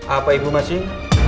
apa ibu masih